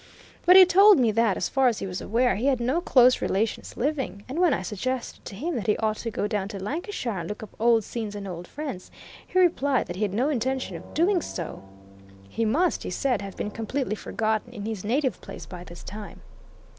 But he told me that, as far as he was aware, he had no close relations living, and when I suggested to him that he ought to go down to Lancashire and look up old scenes and old friends, he replied that he'd no intention of doing so he must, he said, have been completely forgotten in his native place by this time."